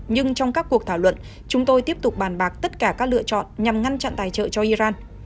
nhưng trong các cuộc thảo luận chúng tôi tiếp tục bàn bạc tất cả các lựa chọn nhằm ngăn chặn tài trợ cho iran